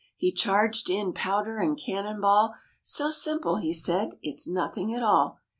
He charged in powder and cannon ball; " So simple," he said, " it's nothing at all."